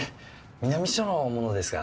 南署の者ですが。